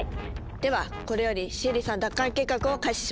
ではこれよりシエリさん奪還計画を開始します。